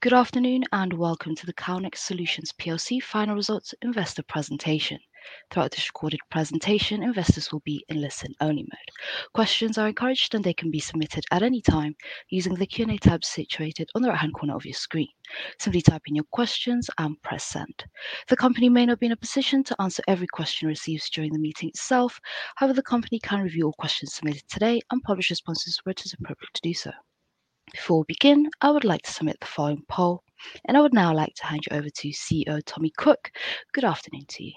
Good afternoon and welcome to the Calnex Solutions final results investor presentation. Throughout this recorded presentation, investors will be in listen-only mode. Questions are encouraged, and they can be submitted at any time using the Q&A tab situated on the right-hand corner of your screen. Simply type in your questions and press send. The company may not be in a position to answer every question received during the meeting itself. However, the company can review all questions submitted today and publish responses where it is appropriate to do so. Before we begin, I would like to submit the following poll, and I would now like to hand you over to CEO Tommy Cook. Good afternoon to you.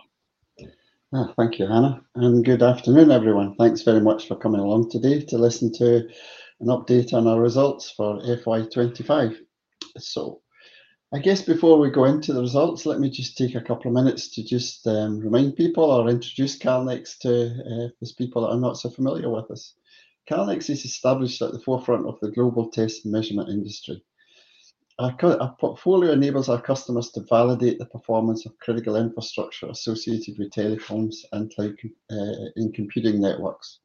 Thank you, Hannah, and good afternoon, everyone. Thanks very much for coming along today to listen to an update on our results for FY 2025. I guess before we go into the results, let me just take a couple of minutes to just remind people or introduce Calnex to those people that are not so familiar with us. Calnex is established at the forefront of the global test and measurement industry. Our portfolio enables our customers to validate the performance of critical infrastructure associated with telecoms and computing networks.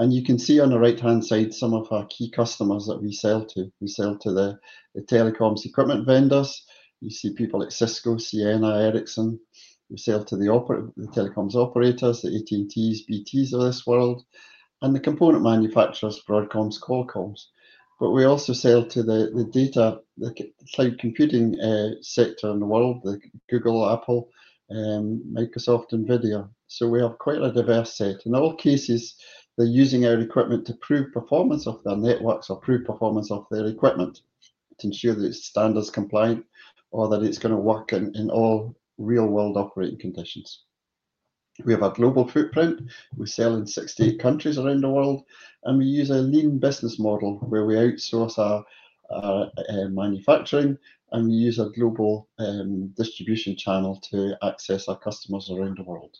You can see on the right-hand side some of our key customers that we sell to. We sell to the telecoms equipment vendors. You see people at Cisco, Ciena, Ericsson. We sell to the telecoms operators, the AT&Ts, BTs of this world, and the component manufacturers, Broadcoms, Qualcomms. We also sell to the data cloud computing sector in the world, the Google, Apple, Microsoft, NVIDIA. We have quite a diverse set. In all cases, they're using our equipment to prove performance of their networks or prove performance of their equipment to ensure that it's standards compliant or that it's going to work in all real-world operating conditions. We have a global footprint. We sell in 68 countries around the world, and we use a lean business model where we outsource our manufacturing, and we use a global distribution channel to access our customers around the world.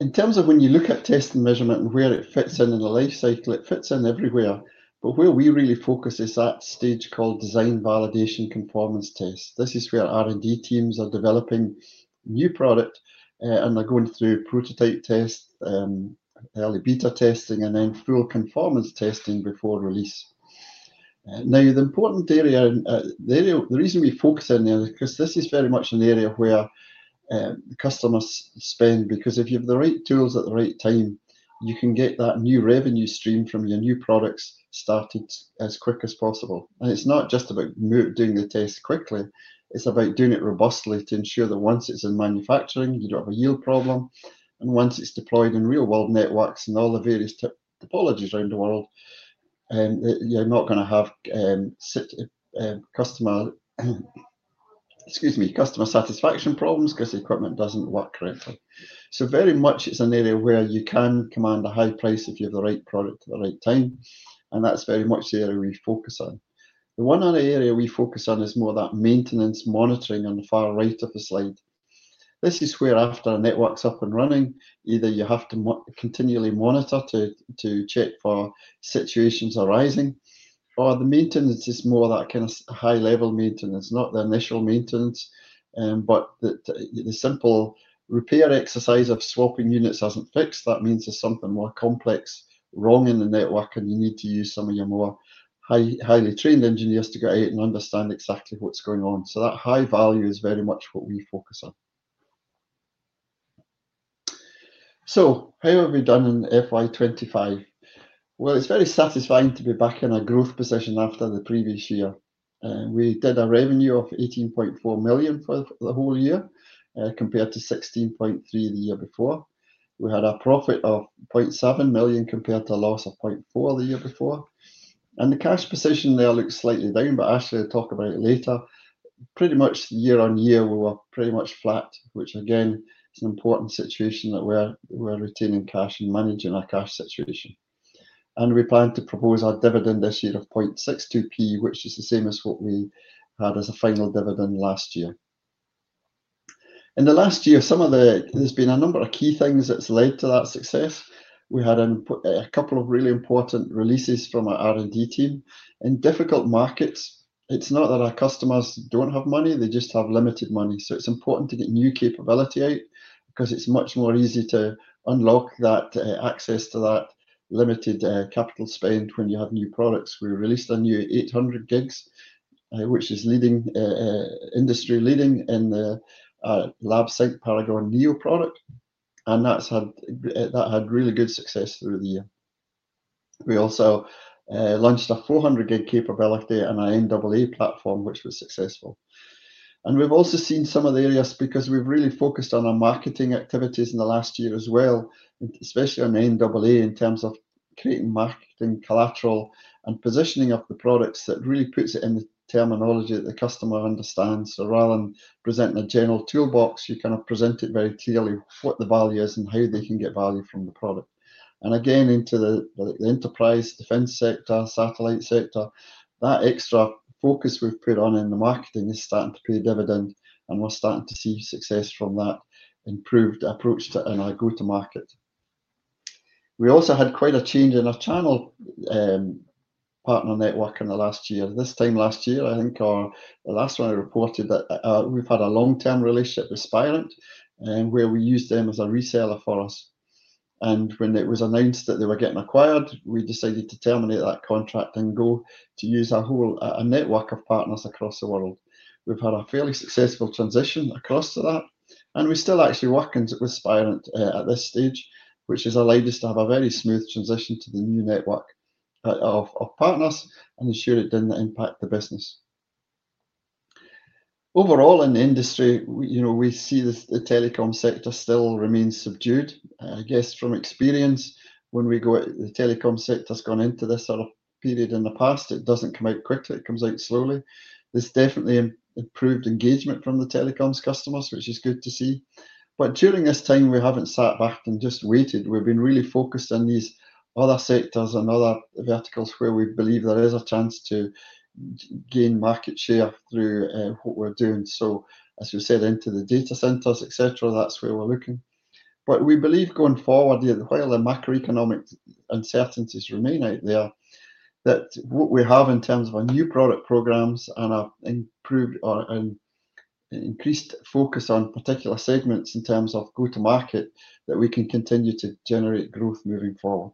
In terms of when you look at test and measurement and where it fits in in the life cycle, it fits in everywhere. Where we really focus is that stage called design validation conformance test. This is where R&D teams are developing new products, and they're going through prototype tests, early beta testing, and then full conformance testing before release. The important area, the reason we focus on this, is because this is very much an area where customers spend, because if you have the right tools at the right time, you can get that new revenue stream from your new products started as quick as possible. It's not just about doing the test quickly. It's about doing it robustly to ensure that once it's in manufacturing, you don't have a yield problem. Once it's deployed in real-world networks and all the various topologies around the world, you're not going to have customer satisfaction problems because the equipment doesn't work correctly. It is very much an area where you can command a high price if you have the right product at the right time. That is very much the area we focus on. The one other area we focus on is more that maintenance monitoring on the far right of the slide. This is where after a network is up and running, either you have to continually monitor to check for situations arising, or the maintenance is more that kind of high-level maintenance, not the initial maintenance, but the simple repair exercise of swapping units has not fixed. That means there is something more complex wrong in the network, and you need to use some of your more highly trained engineers to go out and understand exactly what is going on. That high value is very much what we focus on. How have we done in FY 2025? It is very satisfying to be back in a growth position after the previous year. We did a revenue of 18.4 million for the whole year compared to 16.3 million the year before. We had a profit of 0.7 million compared to a loss of 0.4 million the year before. The cash position there looks slightly down, but Asleigh will talk about it later. Pretty much year on year, we were pretty much flat, which again, is an important situation that we are retaining cash and managing our cash situation. We plan to propose our dividend this year of 0.0062, which is the same as what we had as a final dividend last year. In the last year, there has been a number of key things that has led to that success. We had a couple of really important releases from our R&D team. In difficult markets, it's not that our customers don't have money. They just have limited money. It is important to get new capability out because it's much more easy to unlock that access to that limited capital spend when you have new products. We released a new 800 gigs, which is industry-leading in the lab site Paragon-neo product. That had really good success through the year. We also launched a 400 gig capability and an ANAA platform, which was successful. We have also seen some of the areas because we've really focused on our marketing activities in the last year as well, especially on ANAA in terms of creating marketing collateral and positioning of the products that really puts it in the terminology that the customer understands. Rather than presenting a general toolbox, you kind of present it very clearly, what the value is and how they can get value from the product. Again, into the enterprise, defense sector, satellite sector, that extra focus we have put on in the marketing is starting to pay dividend, and we are starting to see success from that improved approach to our go-to-market. We also had quite a change in our channel partner network in the last year. This time last year, I think the last one I reported that we have had a long-term relationship with Spirent, where we used them as a reseller for us. When it was announced that they were getting acquired, we decided to terminate that contract and go to use a whole network of partners across the world. We've had a fairly successful transition across to that, and we're still actually working with Spirent at this stage, which has allowed us to have a very smooth transition to the new network of partners and ensure it didn't impact the business. Overall, in the industry, we see the telecom sector still remains subdued. I guess from experience, when we go at the telecom sector has gone into this sort of period in the past, it doesn't come out quickly. It comes out slowly. There's definitely improved engagement from the telecoms customers, which is good to see. During this time, we haven't sat back and just waited. We've been really focused on these other sectors and other verticals where we believe there is a chance to gain market share through what we're doing. As we said, into the data centers, etc., that's where we're looking. We believe going forward, while the macroeconomic uncertainties remain out there, that what we have in terms of our new product programs and our increased focus on particular segments in terms of go-to-market, that we can continue to generate growth moving forward.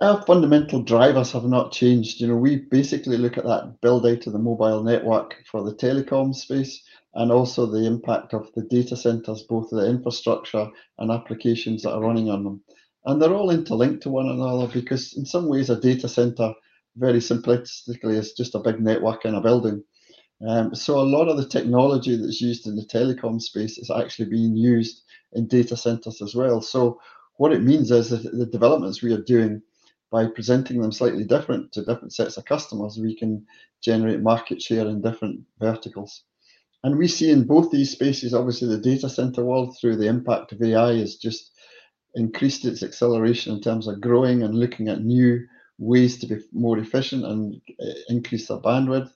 Our fundamental drivers have not changed. We basically look at that build-out of the mobile network for the telecom space and also the impact of the data centers, both the infrastructure and applications that are running on them. They are all interlinked to one another because in some ways, a data center, very simplistically, is just a big network in a building. A lot of the technology that is used in the telecom space is actually being used in data centers as well. What it means is that the developments we are doing by presenting them slightly different to different sets of customers, we can generate market share in different verticals. We see in both these spaces, obviously, the data center world through the impact of AI has just increased its acceleration in terms of growing and looking at new ways to be more efficient and increase our bandwidth.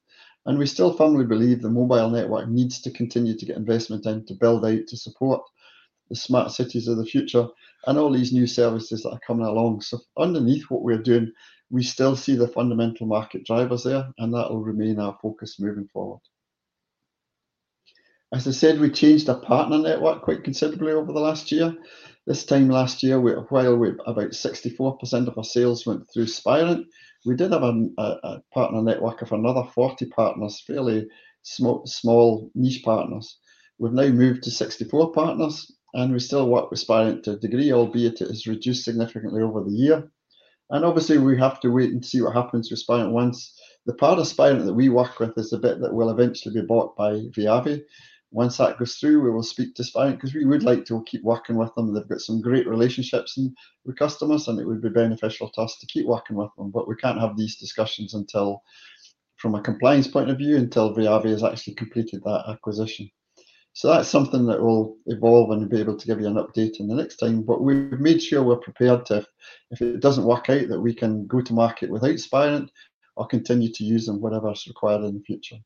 We still firmly believe the mobile network needs to continue to get investment in to build out to support the smart cities of the future and all these new services that are coming along. Underneath what we're doing, we still see the fundamental market drivers there, and that will remain our focus moving forward. As I said, we changed our partner network quite considerably over the last year. This time last year, while about 64% of our sales went through Spirent, we did have a partner network of another 40 partners, fairly small niche partners. We have now moved to 64 partners, and we still work with Spirent to a degree, albeit it has reduced significantly over the year. Obviously, we have to wait and see what happens with Spirent once. The part of Spirent that we work with is a bit that will eventually be bought by Viavi. Once that goes through, we will speak to Spirent because we would like to keep working with them. They have got some great relationships with customers, and it would be beneficial to us to keep working with them. We cannot have these discussions from a compliance point of view until Viavi has actually completed that acquisition. That's something that will evolve and be able to give you an update in the next time. We've made sure we're prepared to, if it doesn't work out, that we can go-to-market without Spirent or continue to use them, whatever's required in the future.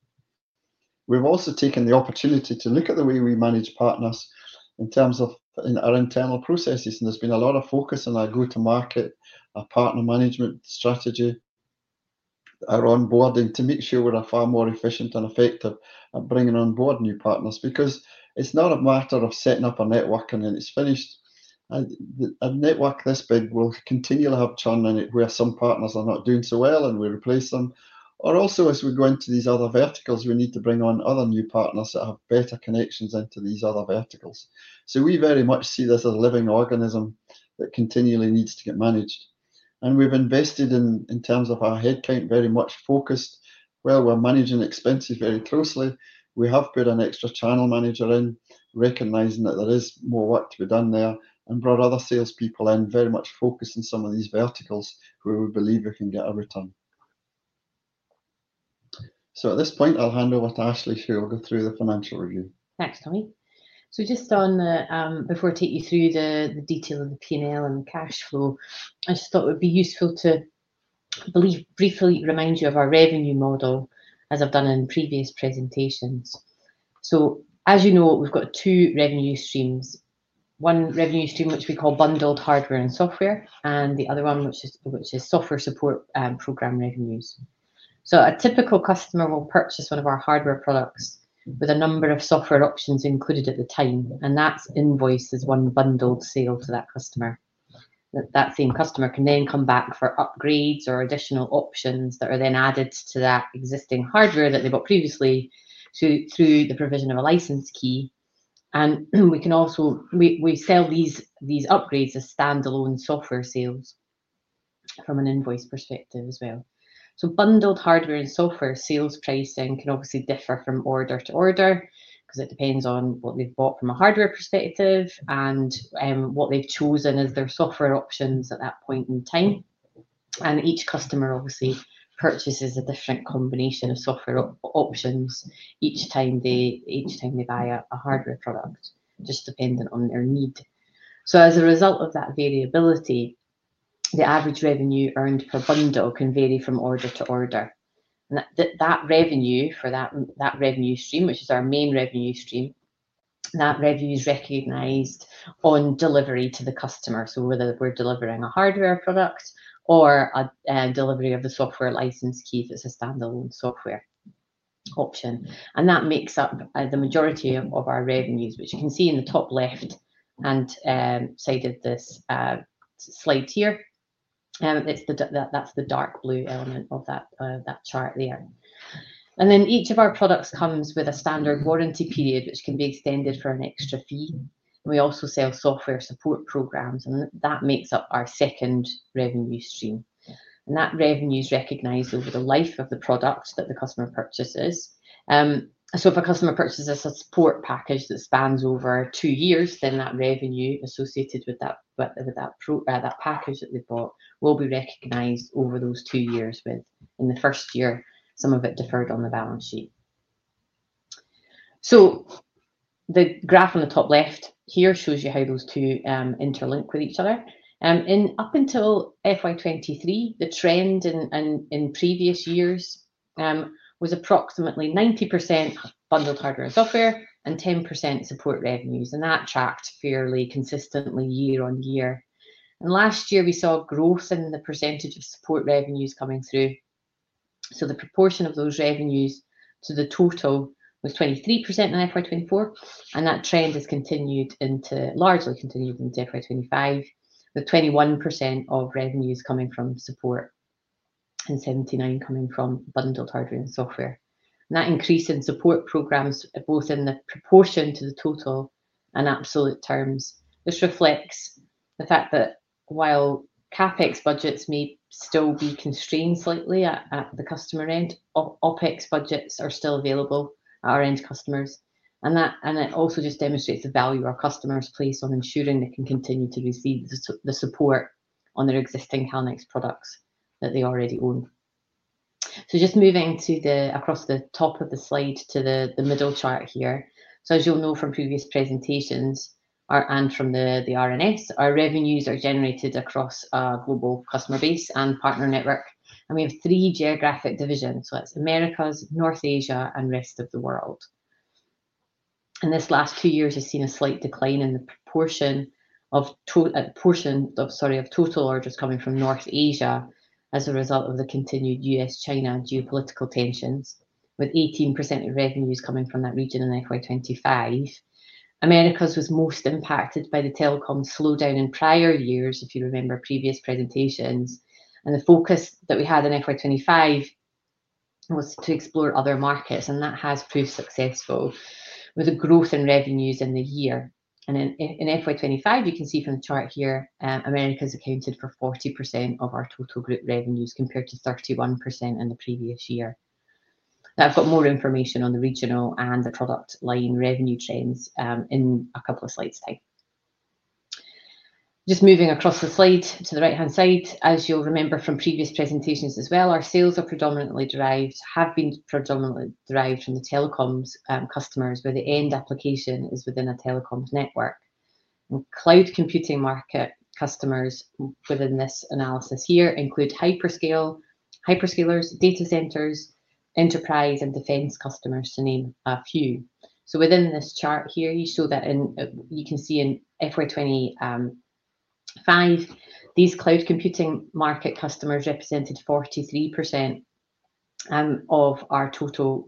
We've also taken the opportunity to look at the way we manage partners in terms of our internal processes. There's been a lot of focus on our go-to-market, our partner management strategy, our onboarding to make sure we're far more efficient and effective at bringing on board new partners because it's not a matter of setting up a network and then it's finished. A network this big will continue to have churn in it where some partners are not doing so well and we replace them. Also, as we go into these other verticals, we need to bring on other new partners that have better connections into these other verticals. We very much see this as a living organism that continually needs to get managed. We have invested in terms of our headcount, very much focused while we're managing expenses very closely. We have put an extra channel manager in, recognizing that there is more work to be done there, and brought other salespeople in, very much focusing some of these verticals where we believe we can get a return. At this point, I'll hand over to Asleigh, who will go through the financial review. Thanks, Tommy. Just before I take you through the detail of the P&L and cash flow, I thought it would be useful to briefly remind you of our revenue model, as I've done in previous presentations. As you know, we've got two revenue streams. One revenue stream, which we call bundled hardware and software, and the other one, which is software support program revenues. A typical customer will purchase one of our hardware products with a number of software options included at the time. That invoices one bundled sale to that customer. That same customer can then come back for upgrades or additional options that are then added to that existing hardware that they bought previously through the provision of a license key. We can also sell these upgrades as standalone software sales from an invoice perspective as well. Bundled hardware and software sales pricing can obviously differ from order to order because it depends on what they've bought from a hardware perspective and what they've chosen as their software options at that point in time. Each customer obviously purchases a different combination of software options each time they buy a hardware product, just dependent on their need. As a result of that variability, the average revenue earned per bundle can vary from order to order. That revenue for that revenue stream, which is our main revenue stream, is recognized on delivery to the customer. Whether we're delivering a hardware product or a delivery of the software license key, that's a standalone software option. That makes up the majority of our revenues, which you can see in the top left-hand side of this slide here. That's the dark blue element of that chart there. Each of our products comes with a standard warranty period, which can be extended for an extra fee. We also sell software support programs, and that makes up our second revenue stream. That revenue is recognized over the life of the product that the customer purchases. If a customer purchases a support package that spans over two years, then the revenue associated with that package that they bought will be recognized over those two years, with, in the first year, some of it deferred on the balance sheet. The graph on the top left here shows you how those two interlink with each other. Up until FY 2023, the trend in previous years was approximately 90% bundled hardware and software and 10% support revenues. That tracked fairly consistently year on year. Last year, we saw growth in the percentage of support revenues coming through. The proportion of those revenues to the total was 23% in FY 2024. That trend has largely continued into FY 2025, with 21% of revenues coming from support and 79% coming from bundled hardware and software. That increase in support programs, both in the proportion to the total and in absolute terms, reflects the fact that while CapEx budgets may still be constrained slightly at the customer end, OpEx budgets are still available at our end customers. It also just demonstrates the value our customers place on ensuring they can continue to receive the support on their existing Calnex products that they already own. Just moving across the top of the slide to the middle chart here. As you'll know from previous presentations and from the R&S, our revenues are generated across our global customer base and partner network. We have three geographic divisions. That's Americas, North Asia, and rest of the world. In the last two years, we've seen a slight decline in the proportion of total orders coming from North Asia as a result of the continued U.S.-China geopolitical tensions, with 18% of revenues coming from that region in FY 2025. Americas was most impacted by the telecom slowdown in prior years, if you remember previous presentations. The focus that we had in FY 2025 was to explore other markets, and that has proved successful with a growth in revenues in the year. In FY 2025, you can see from the chart here, Americas accounted for 40% of our total group revenues compared to 31% in the previous year. Now, I've got more information on the regional and the product line revenue trends in a couple of slides' time. Just moving across the slide to the right-hand side, as you'll remember from previous presentations as well, our sales are predominantly derived, have been predominantly derived, from the telecoms customers, where the end application is within a telecoms network. Cloud computing market customers within this analysis here include hyperscalers, data centers, enterprise, and defense customers, to name a few. Within this chart here, you can see in FY 2025, these cloud computing market customers represented 43% of our total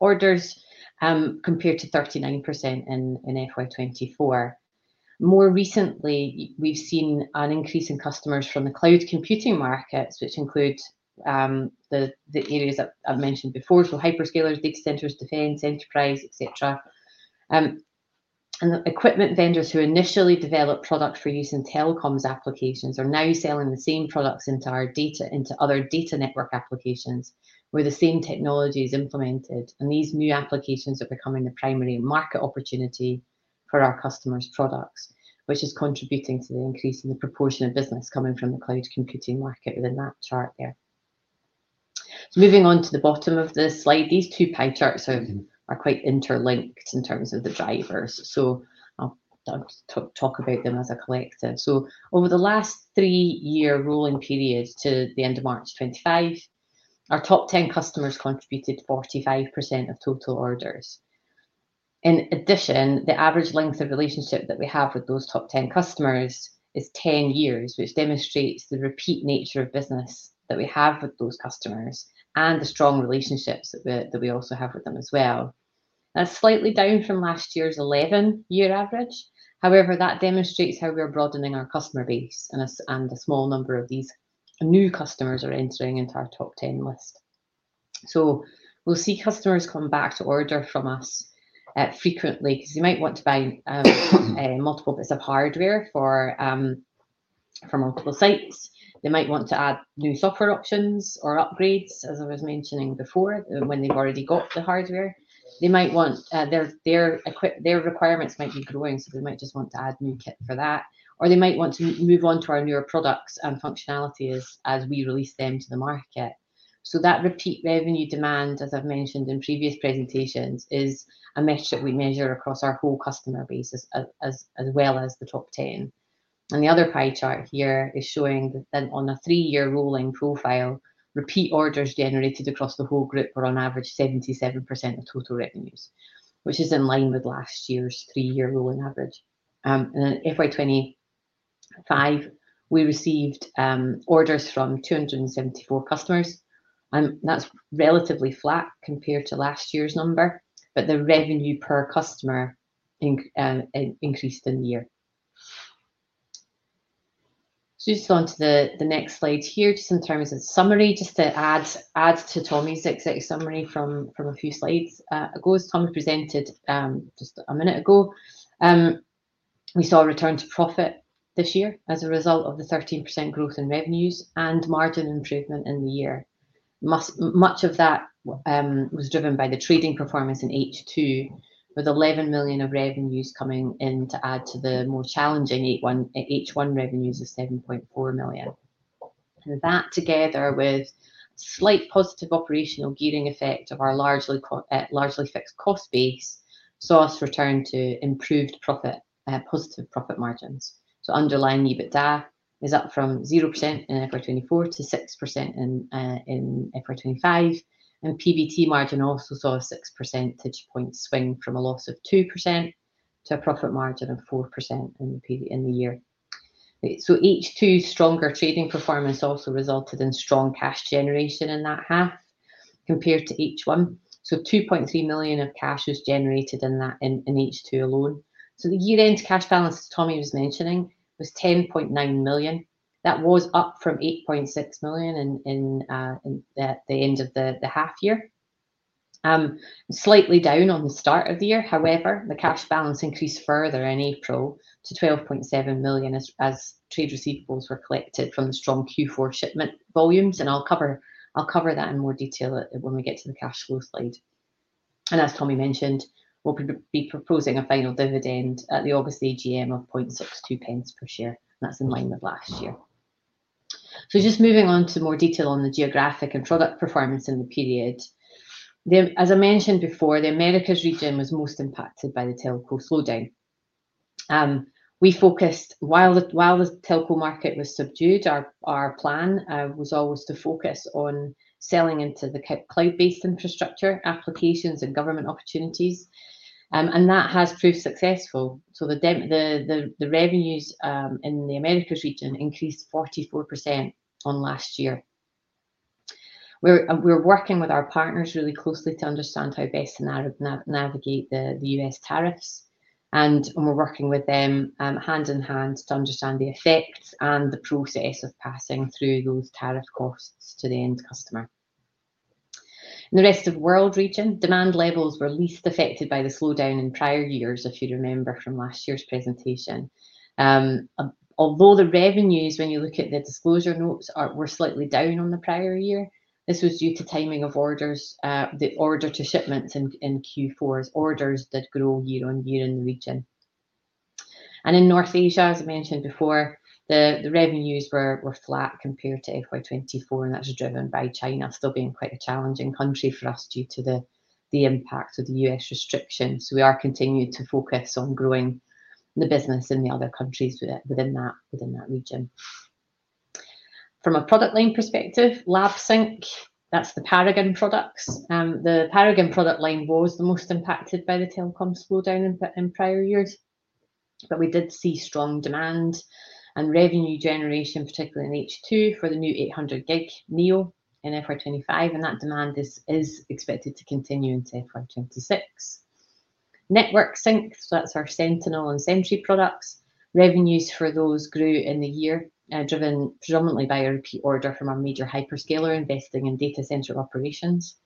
orders compared to 39% in FY2024. More recently, we've seen an increase in customers from the cloud computing markets, which include the areas I've mentioned before: hyperscalers, data centers, defense, enterprise, etc. The equipment vendors who initially developed products for use in telecoms applications are now selling the same products into our data, into other data network applications where the same technology is implemented. These new applications are becoming the primary market opportunity for our customers' products, which is contributing to the increase in the proportion of business coming from the cloud computing market within that chart there. Moving on to the bottom of this slide, these two pie charts are quite interlinked in terms of the drivers. I'll talk about them as a collective. Over the last three-year rolling period to the end of March 2025, our top 10 customers contributed 45% of total orders. In addition, the average length of relationship that we have with those top 10 customers is 10 years, which demonstrates the repeat nature of business that we have with those customers and the strong relationships that we also have with them as well. That is slightly down from last year's 11-year average. However, that demonstrates how we are broadening our customer base, and a small number of these new customers are entering into our top 10 list. We will see customers come back to order from us frequently because they might want to buy multiple bits of hardware for multiple sites. They might want to add new software options or upgrades, as I was mentioning before, when they have already got the hardware. Their requirements might be growing, so they might just want to add new kit for that. They might want to move on to our newer products and functionalities as we release them to the market. That repeat revenue demand, as I've mentioned in previous presentations, is a metric we measure across our whole customer base as well as the top 10. The other pie chart here is showing that on a three-year rolling profile, repeat orders generated across the whole group were on average 77% of total revenues, which is in line with last year's three-year rolling average. In FY 2025, we received orders from 274 customers. That is relatively flat compared to last year's number, but the revenue per customer increased in the year. Just onto the next slide here, just in terms of summary, just to add to Tommy's exact summary from a few slides ago, as Tommy presented just a minute ago, we saw a return to profit this year as a result of the 13% growth in revenues and margin improvement in the year. Much of that was driven by the trading performance in H2, with 11 million of revenues coming in to add to the more challenging H1 revenues of 7.4 million. That, together with a slight positive operational gearing effect of our largely fixed cost base, saw us return to improved positive profit margins. Underlying EBITDA is up from 0% in FY2024 to 6% in FY2025. PBT margin also saw a 6 percentage point swing from a loss of 2% to a profit margin of 4% in the year. H2's stronger trading performance also resulted in strong cash generation in that half compared to H1. 2.3 million of cash was generated in H2 alone. The year-end cash balance, as Tommy was mentioning, was 10.9 million. That was up from 8.6 million at the end of the half year, slightly down on the start of the year. However, the cash balance increased further in April to 12.7 million as trade receivables were collected from the strong Q4 shipment volumes. I'll cover that in more detail when we get to the cash flow slide. As Tommy mentioned, we'll be proposing a final dividend at the August AGM of 0.0062 per share. That's in line with last year. Just moving on to more detail on the geographic and product performance in the period. As I mentioned before, the Americas region was most impacted by the telco slowdown. We focused, while the telco market was subdued, our plan was always to focus on selling into the cloud-based infrastructure applications and government opportunities. That has proved successful. The revenues in the Americas region increased 44% on last year. We are working with our partners really closely to understand how best to navigate the U.S. tariffs. We are working with them hand in hand to understand the effects and the process of passing through those tariff costs to the end customer. In the rest of the world region, demand levels were least affected by the slowdown in prior years, if you remember from last year's presentation. Although the revenues, when you look at the disclosure notes, were slightly down on the prior year, this was due to timing of orders, the order-to-shipments in Q4's orders did grow year on year in the region. In North Asia, as I mentioned before, the revenues were flat compared to FY 2024. That is driven by China still being quite a challenging country for us due to the impact of the U.S. restrictions. We are continuing to focus on growing the business in the other countries within that region. From a product line perspective, LabSync, that's the Paragon products. The Paragon product line was the most impacted by the telecom slowdown in prior years. We did see strong demand and revenue generation, particularly in H2 for the new 800 gig Neo in FY 2025. That demand is expected to continue into FY 2026. Network sync, so that's our Sentinel and Sentry products. Revenues for those grew in the year, driven predominantly by a repeat order from our major hyperscaler investing in data center operations.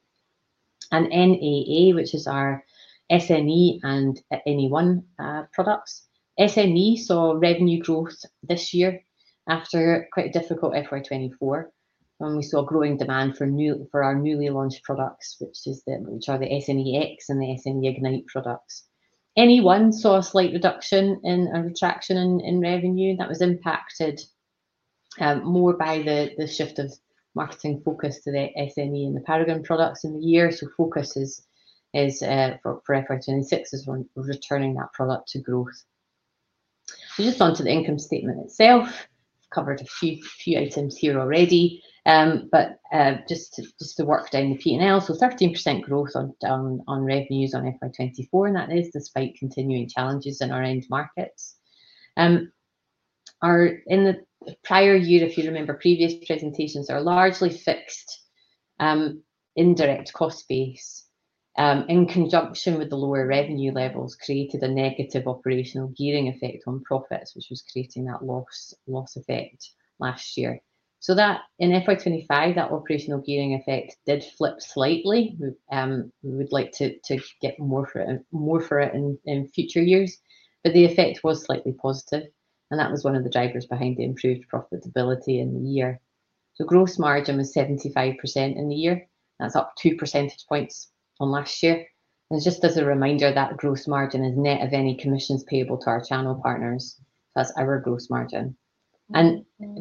And NAA, which is our SNE and NE1 products. SNE saw revenue growth this year after quite a difficult FY 2024 when we saw growing demand for our newly launched products, which are the SNEX and the SNE Ignite products. NE1 saw a slight reduction in retraction in revenue. That was impacted more by the shift of marketing focus to the SNE and the Paragon products in the year. Focus for FY 2026 is returning that product to growth. Just onto the income statement itself. I've covered a few items here already. Just to work down the P&L, 13% growth on revenues on FY 2024, and that is despite continuing challenges in our end markets. In the prior year, if you remember, previous presentations are largely fixed indirect cost base in conjunction with the lower revenue levels created a negative operational gearing effect on profits, which was creating that loss effect last year. In FY 2025, that operational gearing effect did flip slightly. We would like to get more for it in future years. The effect was slightly positive. That was one of the drivers behind the improved profitability in the year. Gross margin was 75% in the year. That's up 2 percentage points on last year. Just as a reminder, that gross margin is net of any commissions payable to our channel partners. That's our gross margin.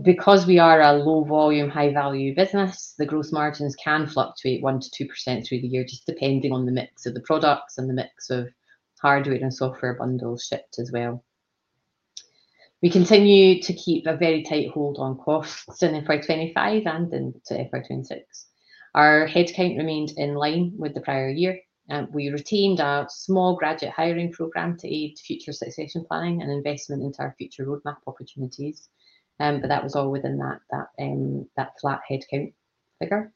Because we are a low-volume, high-value business, the gross margins can fluctuate 1-2% through the year, just depending on the mix of the products and the mix of hardware and software bundles shipped as well. We continue to keep a very tight hold on costs in FY 2025 and into FY 2026. Our headcount remained in line with the prior year. We retained our small graduate hiring program to aid future succession planning and investment into our future roadmap opportunities. That was all within that flat headcount figure.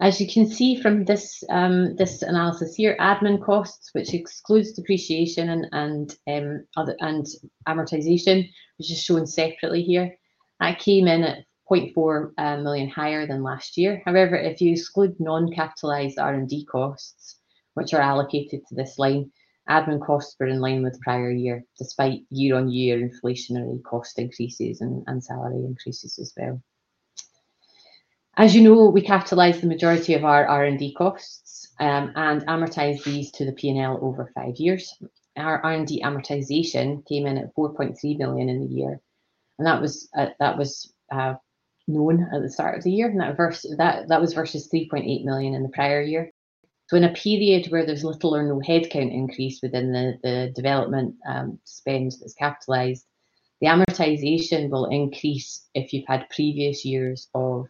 As you can see from this analysis here, admin costs, which excludes depreciation and amortization, which is shown separately here, came in at 0.4 million higher than last year. However, if you exclude non-capitalized R&D costs, which are allocated to this line, admin costs were in line with prior year, despite year-on-year inflationary cost increases and salary increases as well. As you know, we capitalize the majority of our R&D costs and amortize these to the P&L over five years. Our R&D amortization came in at 4.3 million in the year. That was known at the start of the year. That was versus 3.8 million in the prior year. In a period where there is little or no headcount increase within the development spend that is capitalized, the amortization will increase if you have had previous years of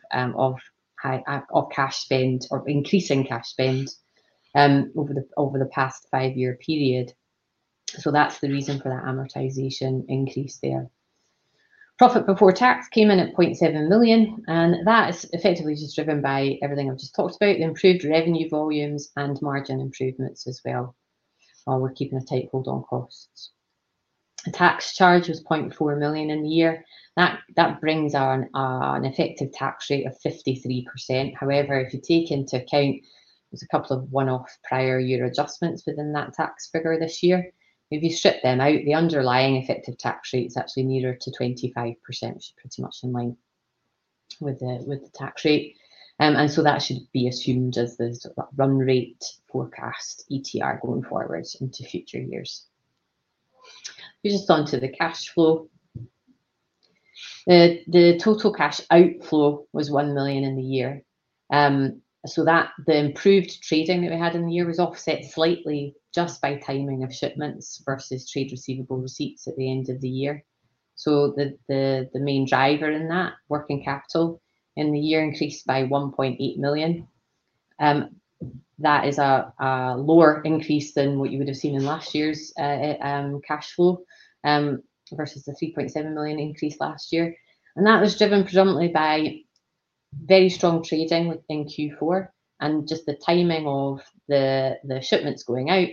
cash spend or increasing cash spend over the past five-year period. That is the reason for that amortization increase there. Profit before tax came in at 0.7 million. That is effectively just driven by everything I've just talked about, the improved revenue volumes and margin improvements as well, while we're keeping a tight hold on costs. The tax charge was 0.4 million in the year. That brings an effective tax rate of 53%. However, if you take into account there's a couple of one-off prior year adjustments within that tax figure this year, if you strip them out, the underlying effective tax rate is actually nearer to 25%, which is pretty much in line with the tax rate. That should be assumed as the run rate forecast ETR going forward into future years. Just onto the cash flow. The total cash outflow was 1 million in the year. The improved trading that we had in the year was offset slightly just by timing of shipments versus trade receivable receipts at the end of the year. The main driver in that, working capital in the year, increased by 1.8 million. That is a lower increase than what you would have seen in last year's cash flow versus the 3.7 million increase last year. That was driven predominantly by very strong trading in Q4 and just the timing of the shipments going out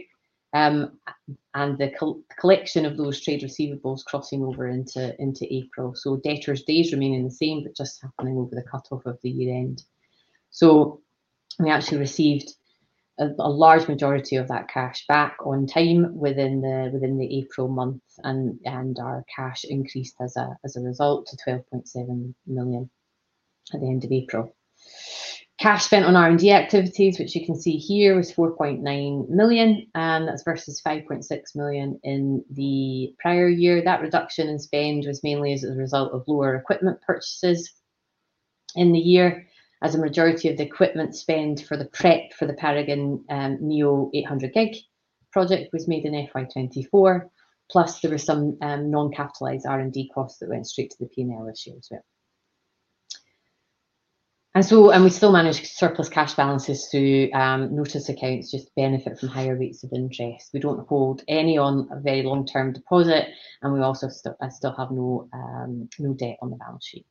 and the collection of those trade receivables crossing over into April. Debtors' days remaining the same, but just happening over the cutoff of the year-end. We actually received a large majority of that cash back on time within the April month. Our cash increased as a result to 12.7 million at the end of April. Cash spent on R&D activities, which you can see here, was 4.9 million. That is versus 5.6 million in the prior year. That reduction in spend was mainly as a result of lower equipment purchases in the year. As a majority of the equipment spend for the Paragon-neo 800 gig project was made in FY 2024, plus there were some non-capitalized R&D costs that went straight to the P&L issue as well. We still manage surplus cash balances through notice accounts just to benefit from higher rates of interest. We do not hold any on a very long-term deposit. We also still have no debt on the balance sheet.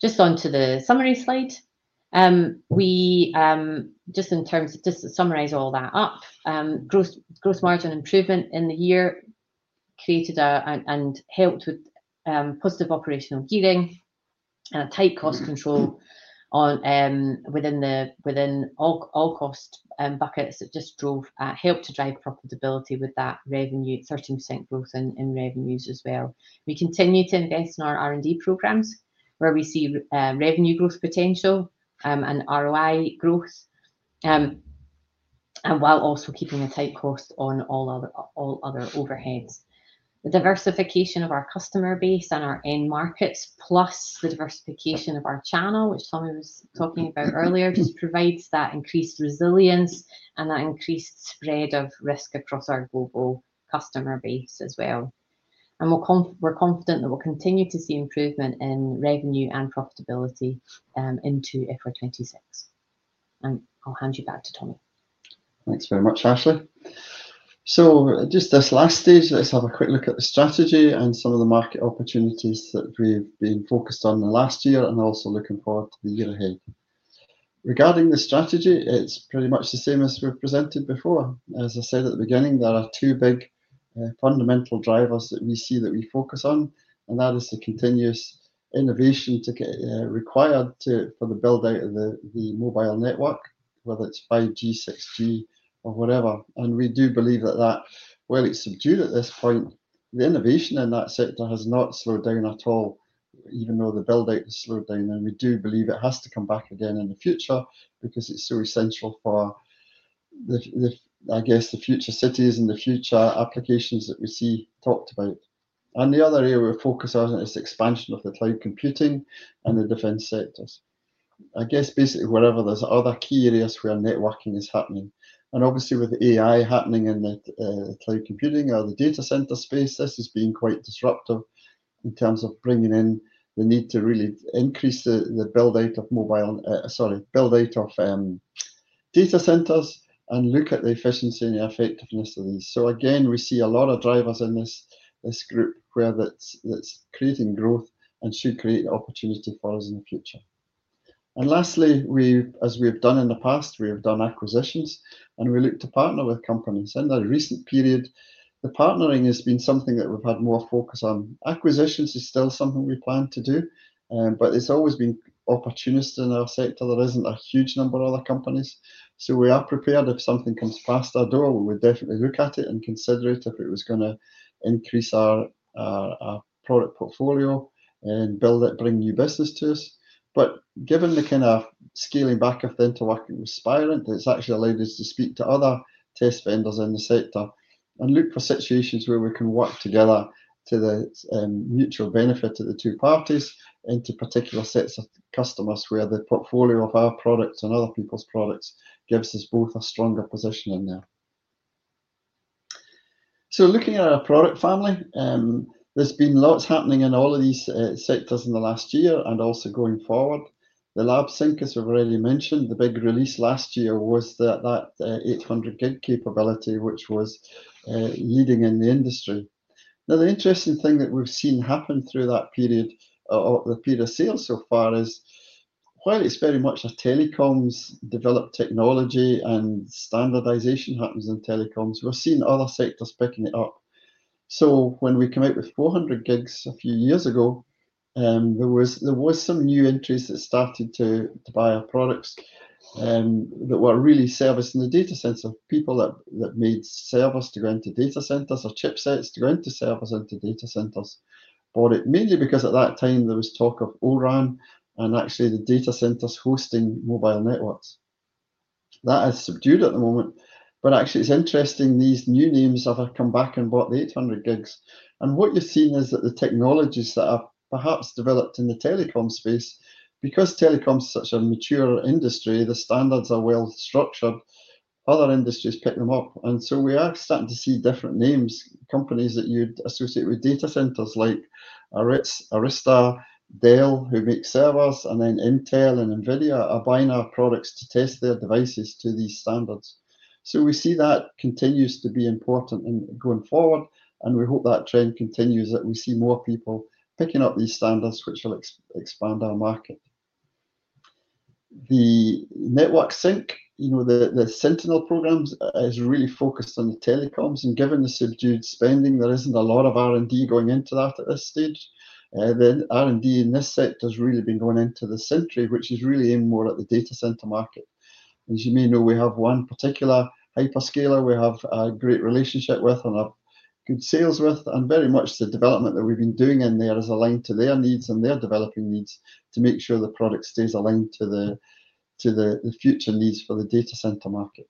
Just onto the summary slide. Just in terms of just to summarize all that up, gross margin improvement in the year created and helped with positive operational gearing and a tight cost control within all cost buckets that just helped to drive profitability with that revenue, 13% growth in revenues as well. We continue to invest in our R&D programs where we see revenue growth potential and ROI growth while also keeping a tight cost on all other overheads. The diversification of our customer base and our end markets, plus the diversification of our channel, which Tommy was talking about earlier, just provides that increased resilience and that increased spread of risk across our global customer base as well. We are confident that we will continue to see improvement in revenue and profitability into FY 2026. I will hand you back to Tommy. Thanks very much, Ashleigh. Just this last stage, let's have a quick look at the strategy and some of the market opportunities that we've been focused on last year and also looking forward to the year ahead. Regarding the strategy, it's pretty much the same as we've presented before. As I said at the beginning, there are two big fundamental drivers that we see that we focus on. That is the continuous innovation required for the build-out of the mobile network, whether it's 5G, 6G, or whatever. We do believe that while it's subdued at this point, the innovation in that sector has not slowed down at all, even though the build-out has slowed down. We do believe it has to come back again in the future because it's so essential for, I guess, the future cities and the future applications that we see talked about. The other area we're focused on is expansion of the cloud computing and the defense sectors. I guess, basically, wherever there's other key areas where networking is happening. Obviously, with AI happening in the cloud computing or the data center space, this is being quite disruptive in terms of bringing in the need to really increase the build-out of mobile, sorry, build-out of data centers and look at the efficiency and effectiveness of these. Again, we see a lot of drivers in this group where that's creating growth and should create opportunity for us in the future. Lastly, as we've done in the past, we have done acquisitions. We look to partner with companies. In the recent period, the partnering has been something that we've had more focus on. Acquisitions is still something we plan to do. It's always been opportunistic in our sector. There isn't a huge number of other companies. We are prepared if something comes past our door. We would definitely look at it and consider it if it was going to increase our product portfolio and bring new business to us. Given the kind of scaling back of then to working with Spirent, it's actually allowed us to speak to other test vendors in the sector and look for situations where we can work together to the mutual benefit of the two parties into particular sets of customers where the portfolio of our products and other people's products gives us both a stronger position in there. Looking at our product family, there's been lots happening in all of these sectors in the last year and also going forward. The LabSync, as I've already mentioned, the big release last year was that 800 gig capability, which was leading in the industry. Now, the interesting thing that we've seen happen through that period, the period of sales so far, is while it's very much a telecoms developed technology and standardization happens in telecoms, we're seeing other sectors picking it up. When we came out with 400 gig a few years ago, there were some new entries that started to buy our products that were really servicing the data center, people that made servers to go into data centers or chipsets to go into servers into data centers. Bought it mainly because at that time, there was talk of O-RAN and actually the data centers hosting mobile networks. That has subdued at the moment. Actually, it's interesting, these new names have come back and bought the 800 gigs. What you have seen is that the technologies that have perhaps developed in the telecom space, because telecoms is such a mature industry, the standards are well structured, other industries pick them up. We are starting to see different names, companies that you would associate with data centers like Arista, Dell, who make servers, and then Intel and NVIDIA are buying our products to test their devices to these standards. We see that continues to be important going forward. We hope that trend continues, that we see more people picking up these standards, which will expand our market. The network sync, the Sentinel programs, is really focused on the telecoms. Given the subdued spending, there is not a lot of R&D going into that at this stage. The R&D in this sector has really been going into the Sentry, which is really aimed more at the data center market. As you may know, we have one particular hyperscaler we have a great relationship with and have good sales with. Very much the development that we've been doing in there is aligned to their needs and their developing needs to make sure the product stays aligned to the future needs for the data center market.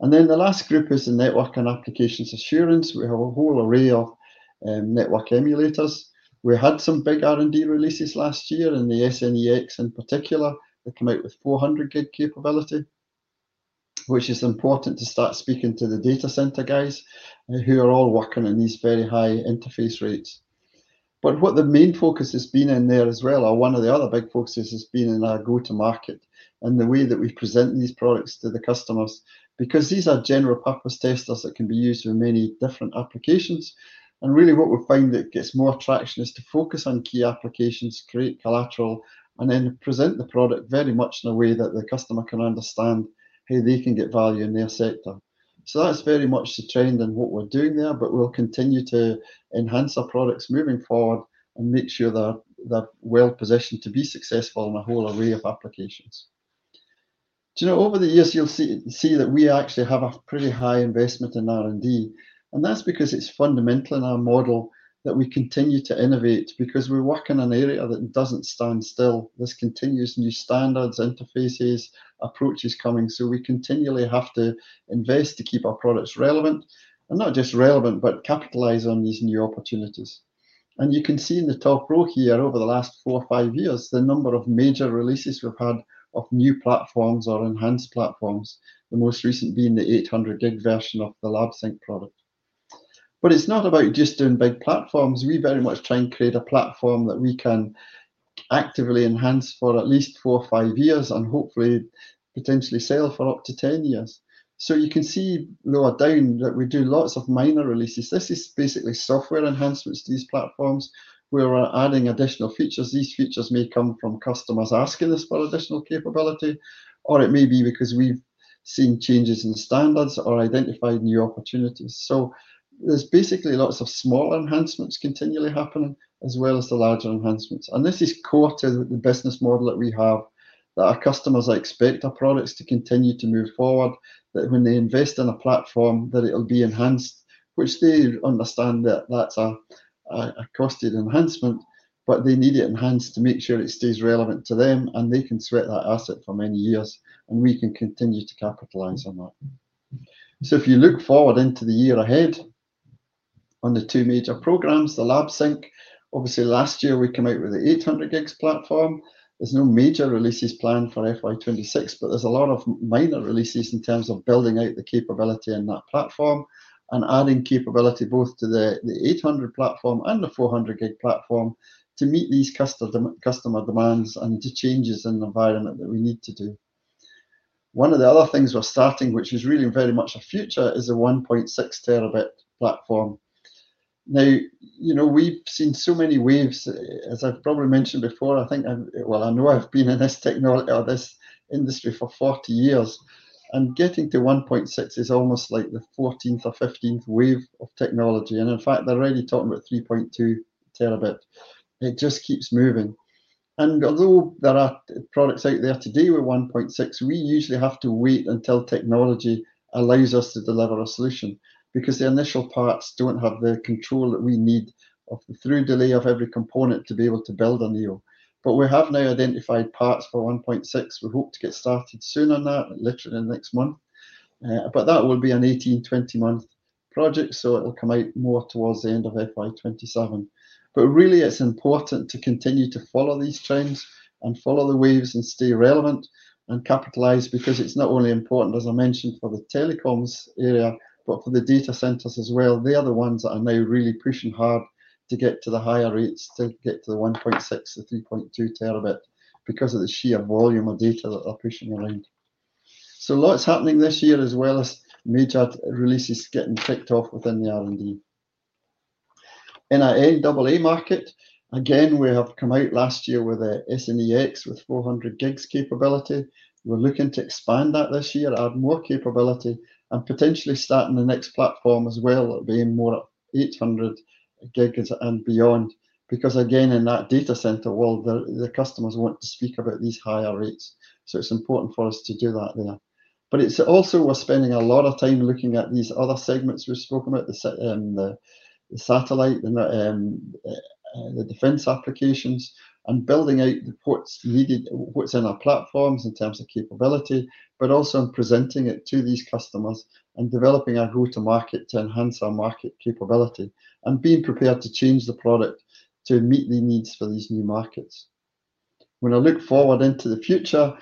The last group is the network and applications assurance. We have a whole array of network emulators. We had some big R&D releases last year in the SNEX in particular that came out with 400 gig capability, which is important to start speaking to the data center guys who are all working in these very high interface rates. What the main focus has been in there as well, or one of the other big focuses, has been in our go-to-market and the way that we present these products to the customers. Because these are general-purpose testers that can be used for many different applications. Really, what we find that gets more traction is to focus on key applications, create collateral, and then present the product very much in a way that the customer can understand how they can get value in their sector. That is very much the trend and what we are doing there. We will continue to enhance our products moving forward and make sure they are well positioned to be successful in a whole array of applications. Over the years, you will see that we actually have a pretty high investment in R&D. That is because it is fundamental in our model that we continue to innovate because we work in an area that does not stand still. There are continuous new standards, interfaces, approaches coming. We continually have to invest to keep our products relevant. Not just relevant, but capitalize on these new opportunities. You can see in the top row here over the last four or five years, the number of major releases we have had of new platforms or enhanced platforms, the most recent being the 800 gig version of the LabSync product. It is not about just doing big platforms. We very much try and create a platform that we can actively enhance for at least four or five years and hopefully potentially sell for up to 10 years. You can see lower down that we do lots of minor releases. This is basically software enhancements to these platforms where we're adding additional features. These features may come from customers asking us for additional capability, or it may be because we've seen changes in standards or identified new opportunities. There are basically lots of smaller enhancements continually happening as well as the larger enhancements. This is core to the business model that we have that our customers expect our products to continue to move forward, that when they invest in a platform, that it'll be enhanced, which they understand that that's a costed enhancement, but they need it enhanced to make sure it stays relevant to them and they can sweat that asset for many years and we can continue to capitalize on that. If you look forward into the year ahead on the two major programs, the LabSync, obviously last year we came out with the 800 gigs platform. There are no major releases planned for FY 2026, but there are a lot of minor releases in terms of building out the capability in that platform and adding capability both to the 800 platform and the 400 gig platform to meet these customer demands and the changes in the environment that we need to do. One of the other things we are starting, which is really very much a future, is a 1.6 Tb platform. Now, we have seen so many waves, as I have probably mentioned before. I think, well, I know I have been in this industry for 40 years. Getting to 1.6 is almost like the 14th or 15th wave of technology. In fact, they are already talking about 3.2 Tb. It just keeps moving. Although there are products out there today with 1.6, we usually have to wait until technology allows us to deliver a solution because the initial parts do not have the control that we need through delay of every component to be able to build a Neo. We have now identified parts for 1.6. We hope to get started soon on that, literally in the next month. That will be an 18-20 month project. It will come out more towards the end of FY 2027. It is important to continue to follow these trends and follow the waves and stay relevant and capitalize because it is not only important, as I mentioned, for the telecoms area, but for the data centers as well. They are the ones that are now really pushing hard to get to the higher rates, to get to the 1.6, the 3.2 Tb because of the sheer volume of data that they're pushing around. Lots happening this year as well as major releases getting kicked off within the R&D. In our AAA market, again, we have come out last year with the SNEX with 400 gigs capability. We're looking to expand that this year, add more capability, and potentially start in the next platform as well, being more 800 gigs and beyond because, again, in that data center world, the customers want to speak about these higher rates. It's important for us to do that there. It's also we're spending a lot of time looking at these other segments we've spoken about, the satellite, the defense applications, and building out the ports needed, what's in our platforms in terms of capability, but also in presenting it to these customers and developing our go-to-market to enhance our market capability and being prepared to change the product to meet the needs for these new markets. When I look forward into the future,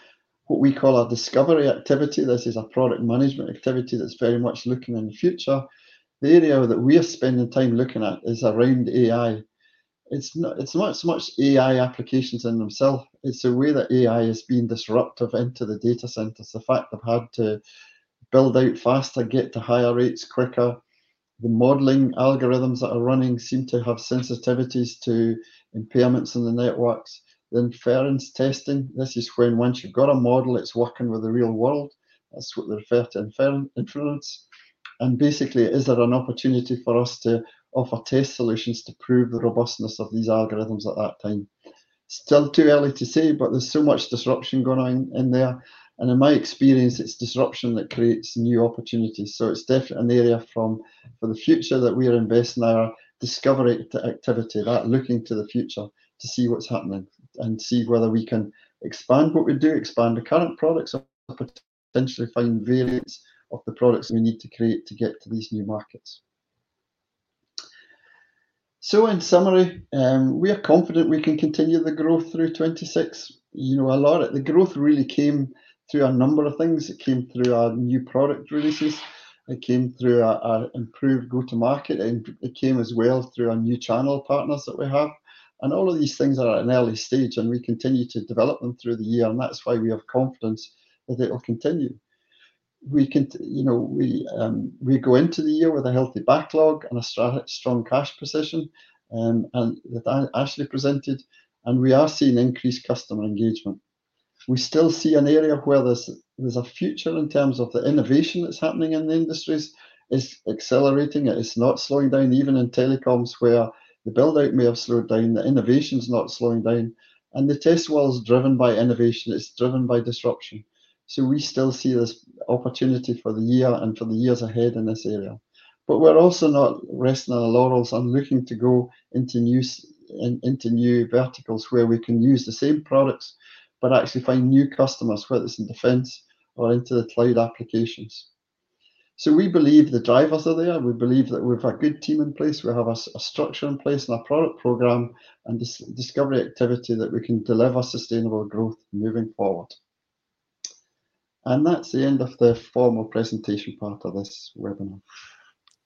what we call our discovery activity, this is a product management activity that's very much looking in the future. The area that we are spending time looking at is around AI. It's not so much AI applications in themselves. It's the way that AI has been disruptive into the data centers. The fact they've had to build out faster, get to higher rates quicker. The modeling algorithms that are running seem to have sensitivities to impairments in the networks. Ferenc testing, this is when once you've got a model, it's working with the real world. That's what they refer to in Ferenc influence. Basically, is there an opportunity for us to offer test solutions to prove the robustness of these algorithms at that time? Still too early to say, but there's so much disruption going on in there. In my experience, it's disruption that creates new opportunities. It's definitely an area for the future that we are investing our discovery activity, looking to the future to see what's happening and see whether we can expand what we do, expand the current products, or potentially find variants of the products we need to create to get to these new markets. In summary, we are confident we can continue the growth through 2026. A lot of the growth really came through a number of things. It came through our new product releases. It came through our improved go-to-market. It came as well through our new channel partners that we have. All of these things are at an early stage, and we continue to develop them through the year. That is why we have confidence that it will continue. We go into the year with a healthy backlog and a strong cash position that Asleigh presented. We are seeing increased customer engagement. We still see an area where there is a future in terms of the innovation that is happening in the industries is accelerating. It is not slowing down even in telecoms where the build-out may have slowed down. The innovation is not slowing down. The test world is driven by innovation. It's driven by disruption. We still see this opportunity for the year and for the years ahead in this area. We are also not resting on our laurels and looking to go into new verticals where we can use the same products but actually find new customers whether it's in defense or into the cloud applications. We believe the drivers are there. We believe that we've got a good team in place. We have a structure in place and a product program and discovery activity that we can deliver sustainable growth moving forward. That's the end of the formal presentation part of this webinar.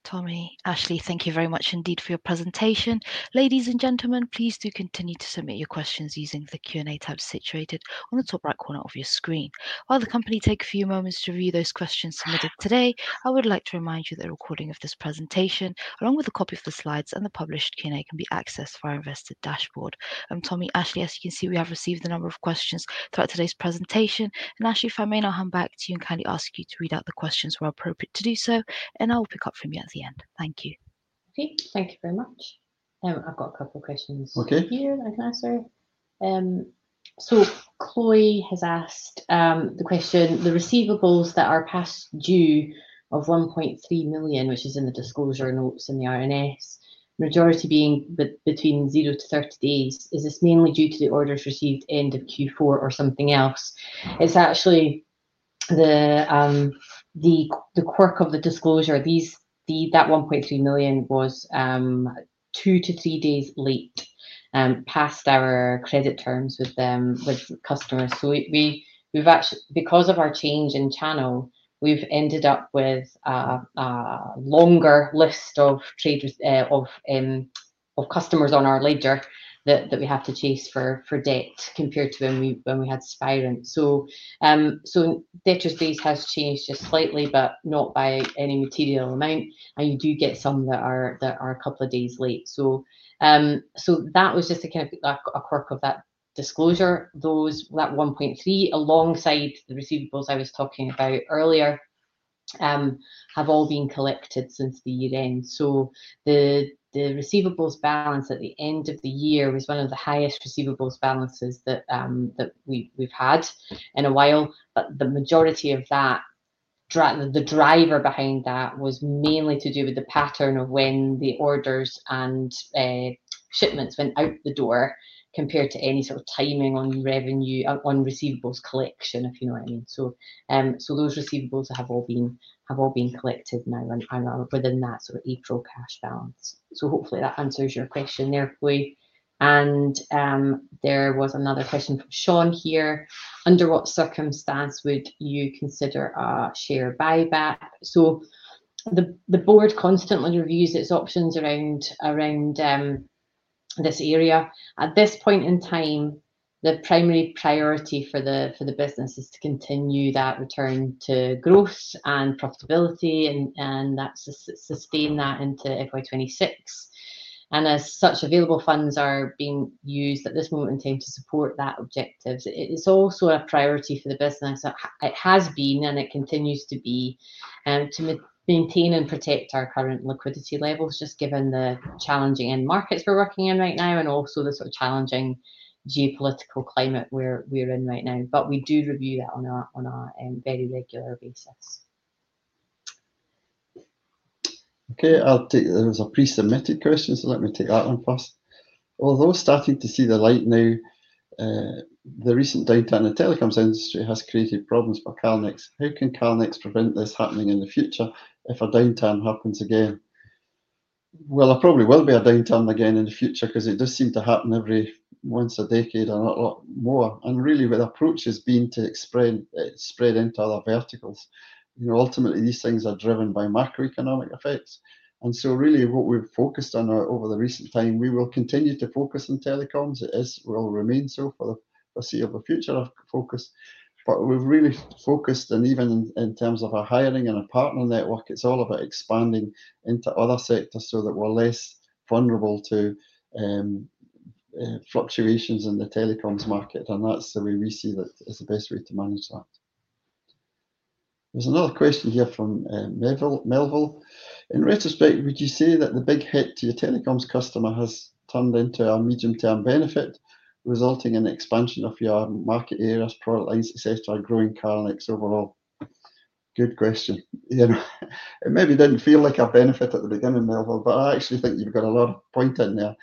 Tommy, Asleigh, thank you very much indeed for your presentation. Ladies and gentlemen, please do continue to submit your questions using the Q&A tab situated on the top right corner of your screen. While the company takes a few moments to review those questions submitted today, I would like to remind you that the recording of this presentation, along with a copy of the slides and the published Q&A, can be accessed via our invested dashboard. Tommy, Asleigh, as you can see, we have received a number of questions throughout today's presentation. Asleigh, if I may now hand back to you and kindly ask you to read out the questions where appropriate to do so, and I will pick up from you at the end. Thank you. Okay. Thank you very much. I've got a couple of questions for you that I can answer. Chloe has asked the question, the receivables that are past due of 1.3 million, which is in the disclosure notes in the R&S, majority being between zero to 30 days, is this mainly due to the orders received end of Q4 or something else? It's actually the quirk of the disclosure. That 1.3 million was two to three days late, past our credit terms with customers. Because of our change in channel, we've ended up with a longer list of customers on our ledger that we have to chase for debt compared to when we had Spirent. Debt to space has changed just slightly, but not by any material amount. You do get some that are a couple of days late. That was just a quirk of that disclosure. Those 1.3, alongside the receivables I was talking about earlier, have all been collected since the year end. The receivables balance at the end of the year was one of the highest receivables balances that we've had in a while. The majority of that, the driver behind that was mainly to do with the pattern of when the orders and shipments went out the door compared to any sort of timing on receivables collection, if you know what I mean. Those receivables have all been collected now within that sort of April cash balance. Hopefully that answers your question there, Chloe. There was another question from Sean here. Under what circumstance would you consider a share buyback? The board constantly reviews its options around this area. At this point in time, the primary priority for the business is to continue that return to growth and profitability and sustain that into FY 2026. As such, available funds are being used at this moment in time to support that objective. It is also a priority for the business. It has been and it continues to be to maintain and protect our current liquidity levels just given the challenging end markets we are working in right now and also the sort of challenging geopolitical climate we are in right now. We do review that on a very regular basis. Okay. There was a pre-submitted question, so let me take that one first. Although starting to see the light now, the recent downturn in the telecoms industry has created problems for Calnex. How can Calnex prevent this happening in the future if a downturn happens again? There probably will be a downturn again in the future because it does seem to happen every once a decade or a lot more. Really, with approaches being to spread into other verticals, ultimately, these things are driven by macroeconomic effects. Really, what we've focused on over the recent time, we will continue to focus on telecoms. It will remain so for the foreseeable future of focus. We've really focused, and even in terms of our hiring and our partner network, it's all about expanding into other sectors so that we're less vulnerable to fluctuations in the telecoms market. That's the way we see that as the best way to manage that. There's another question here from Melville. In retrospect, would you say that the big hit to your telecoms customer has turned into a medium-term benefit, resulting in the expansion of your market area as product lines to growing Calnex overall? Good question. It maybe didn't feel like a benefit at the beginning, Melville, but I actually think you've got a lot of point in there.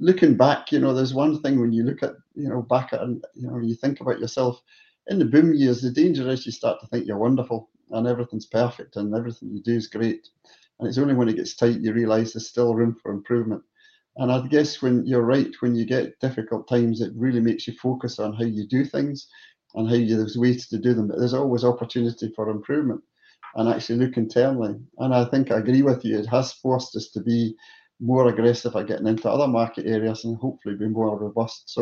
Looking back, there's one thing when you look back and you think about yourself in the boom years, the danger is you start to think you're wonderful and everything's perfect and everything you do is great. It's only when it gets tight you realize there's still room for improvement. I'd guess you're right, when you get difficult times, it really makes you focus on how you do things and how there's ways to do them. There's always opportunity for improvement and actually looking internally. I think I agree with you. It has forced us to be more aggressive at getting into other market areas and hopefully be more robust.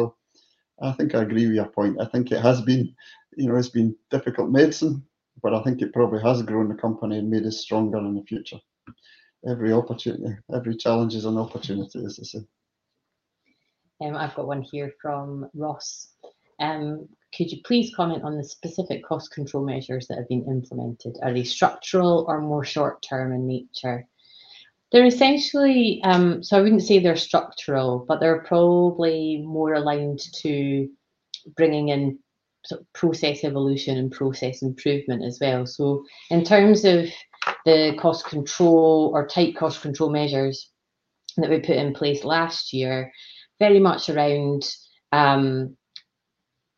I think I agree with your point. I think it has been difficult medicine, but I think it probably has grown the company and made us stronger in the future. Every opportunity, every challenge is an opportunity, as they say. I've got one here from Ross. Could you please comment on the specific cost control measures that have been implemented? Are they structural or more short-term in nature? I wouldn't say they're structural, but they're probably more aligned to bringing in process evolution and process improvement as well. In terms of the cost control or tight cost control measures that we put in place last year, very much around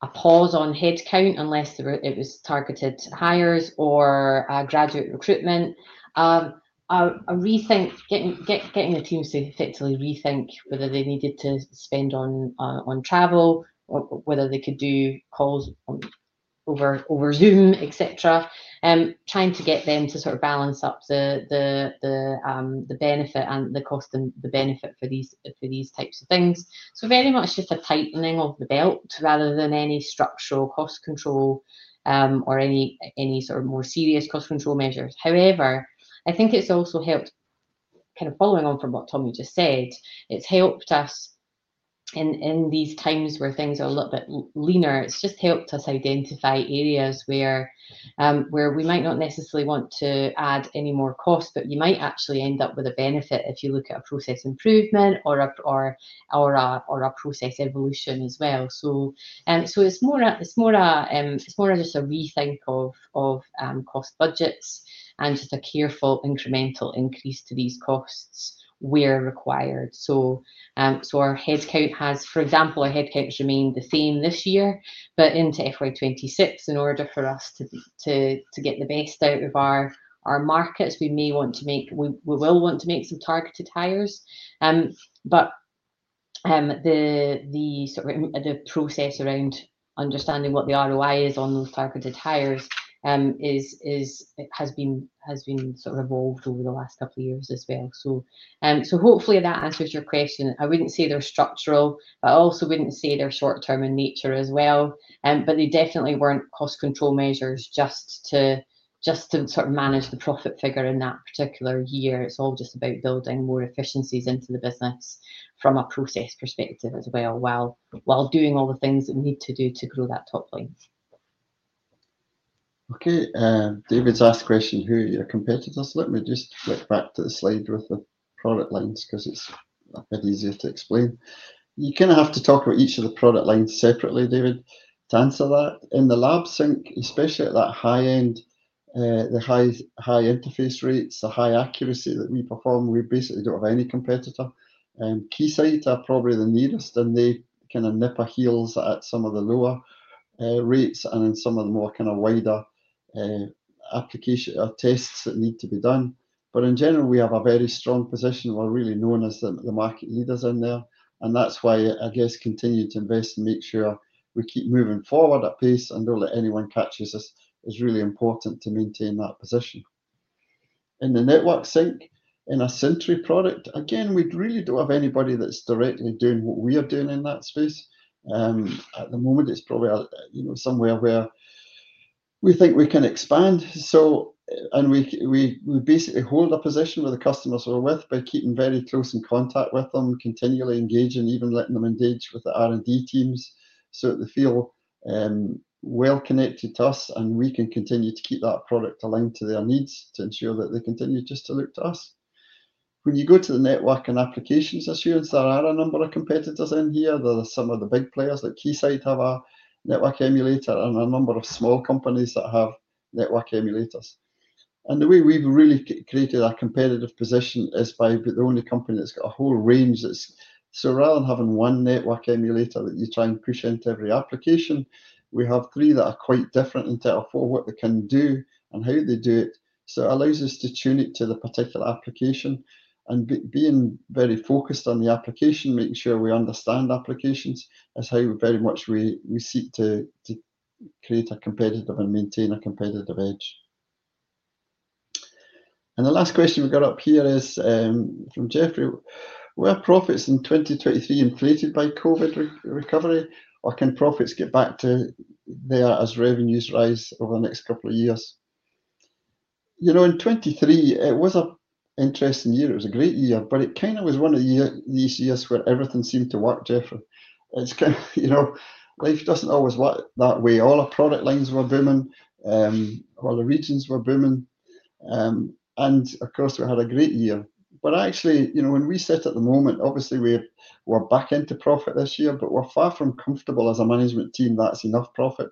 a pause on headcount unless it was targeted hires or graduate recruitment, getting the teams to effectively rethink whether they needed to spend on travel, whether they could do calls over Zoom, etc., trying to get them to sort of balance up the benefit and the cost and the benefit for these types of things. Very much just a tightening of the belt rather than any structural cost control or any sort of more serious cost control measures. However, I think it's also helped, kind of following on from what Tommy just said. It's helped us in these times where things are a little bit leaner. It's just helped us identify areas where we might not necessarily want to add any more cost, but you might actually end up with a benefit if you look at a process improvement or a process evolution as well. It is more just a rethink of cost budgets and just a careful incremental increase to these costs where required. For example, our headcount has remained the same this year, but into FY 2026, in order for us to get the best out of our markets, we may want to make, we will want to make some targeted hires. The sort of process around understanding what the ROI is on those targeted hires has been sort of evolved over the last couple of years as well. Hopefully that answers your question. I would not say they are structural, but I also would not say they are short-term in nature as well. They definitely were not cost control measures just to sort of manage the profit figure in that particular year. It is all just about building more efficiencies into the business from a process perspective as well while doing all the things that we need to do to grow that top line. Okay. David has asked a question here. You are compared to this. Let me just flip back to the slide with the product lines because it is a bit easier to explain. You kind of have to talk about each of the product lines separately, David, to answer that. In the LabSync, especially at that high end, the high interface rates, the high accuracy that we perform, we basically do not have any competitor. Keysight are probably the nearest, and they kind of nip our heels at some of the lower rates and in some of the more kind of wider application or tests that need to be done. In general, we have a very strong position. We're really known as the market leaders in there. That is why I guess continuing to invest and make sure we keep moving forward at pace and do not let anyone catch us is really important to maintain that position. In the network sync, in a Sentry product, again, we really do not have anybody that is directly doing what we are doing in that space. At the moment, it is probably somewhere where we think we can expand. We basically hold a position with the customers we are with by keeping very close in contact with them, continually engaging, even letting them engage with the R&D teams so that they feel well connected to us, and we can continue to keep that product aligned to their needs to ensure that they continue just to look to us. When you go to the network and applications assurance, there are a number of competitors in here. There are some of the big players like Keysight have a network emulator and a number of small companies that have network emulators. The way we have really created our competitive position is by being the only company that has a whole range, so rather than having one network emulator that you try and push into every application, we have three that are quite different in terms of what they can do and how they do it. It allows us to tune it to the particular application. Being very focused on the application, making sure we understand applications, is how very much we seek to create and maintain a competitive edge. The last question we have up here is from Jeffrey. Were profits in 2023 inflated by COVID recovery, or can profits get back to there as revenues rise over the next couple of years? In 2023, it was an interesting year. It was a great year, but it kind of was one of these years where everything seemed to work, Jeffrey. It's kind of life doesn't always work that way. All our product lines were booming. All the regions were booming. Of course, we had a great year. Actually, when we sit at the moment, obviously, we're back into profit this year, but we're far from comfortable as a management team that it's enough profit.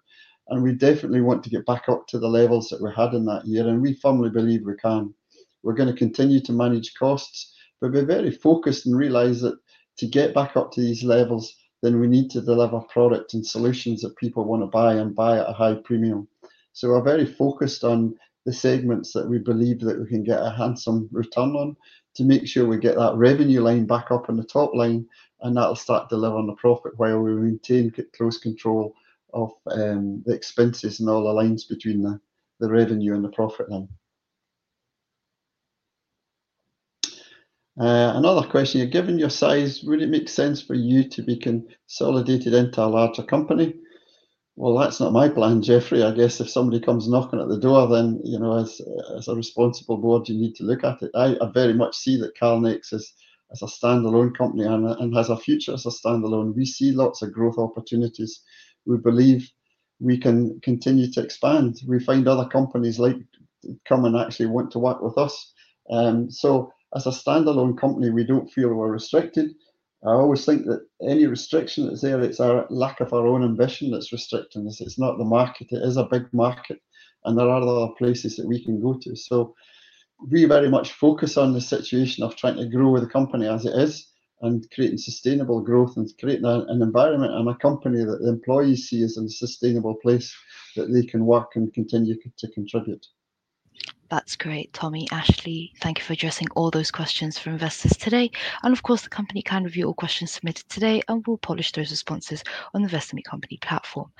We definitely want to get back up to the levels that we had in that year, and we firmly believe we can. We're going to continue to manage costs, but we're very focused and realize that to get back up to these levels, then we need to deliver product and solutions that people want to buy and buy at a high premium. We're very focused on the segments that we believe that we can get a handsome return on to make sure we get that revenue line back up on the top line, and that'll start delivering the profit while we maintain close control of the expenses and all the lines between the revenue and the profit line. Another question. Given your size, would it make sense for you to be consolidated into a larger company? That's not my plan, Jeffrey. I guess if somebody comes knocking at the door, then as a responsible board, you need to look at it. I very much see Calnex as a standalone company and has a future as a standalone. We see lots of growth opportunities. We believe we can continue to expand. We find other companies come and actually want to work with us. As a standalone company, we do not feel we are restricted. I always think that any restriction that is there, it is our lack of our own ambition that is restricting us. It is not the market. It is a big market, and there are other places that we can go to. We very much focus on the situation of trying to grow the company as it is and creating sustainable growth and creating an environment and a company that the employees see as a sustainable place that they can work and continue to contribute. That is great, Tommy, Asleigh. Thank you for addressing all those questions for investors today. Of course, the company can review all questions submitted today and will publish those responses on the Vesmir Company platform.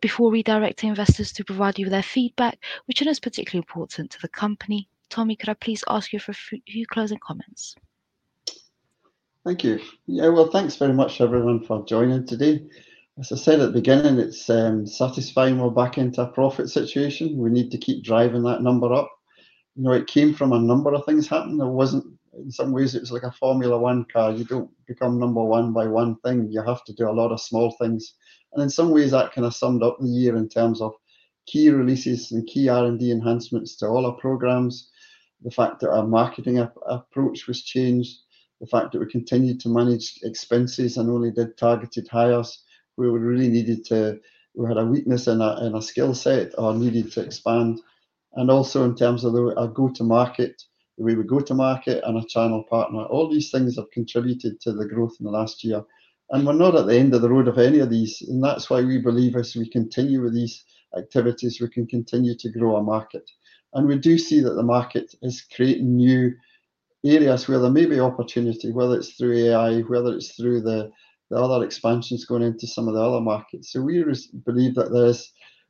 Before we direct investors to provide you with their feedback, which is particularly important to the company, Tommy, could I please ask you for a few closing comments? Thank you. Yeah, thanks very much, everyone, for joining today. As I said at the beginning, it's satisfying we're back into a profit situation. We need to keep driving that number up. It came from a number of things happening. In some ways, it's like a Formula 1 car. You don't become number one by one thing. You have to do a lot of small things. In some ways, that kind of summed up the year in terms of key releases and key R&D enhancements to all our programs, the fact that our marketing approach was changed, the fact that we continued to manage expenses and only did targeted hires. We really needed to, we had a weakness in our skill set or needed to expand. Also, in terms of our go-to-market, the way we go-to-market and our channel partner, all these things have contributed to the growth in the last year. We are not at the end of the road of any of these. That is why we believe as we continue with these activities, we can continue to grow our market. We do see that the market is creating new areas where there may be opportunity, whether it is through AI, whether it is through the other expansions going into some of the other markets. We believe that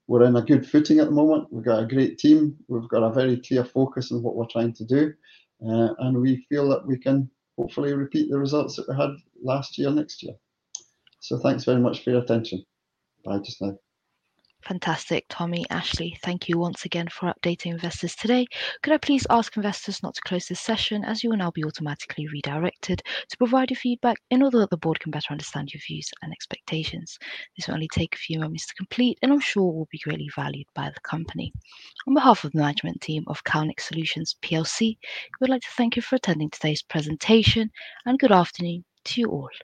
we are in a good footing at the moment. We have got a great team. We have got a very clear focus on what we are trying to do. We feel that we can hopefully repeat the results that we had last year and next year. Thanks very much for your attention. Bye just now. Fantastic. Tommy, Asleigh, thank you once again for updating investors today. Could I please ask investors not to close this session as you will now be automatically redirected to provide your feedback in order that the board can better understand your views and expectations? This will only take a few moments to complete, and I am sure will be greatly valued by the company. On behalf of the management team of Calnex Solutions, we would like to thank you for attending today's presentation, and good afternoon to you all.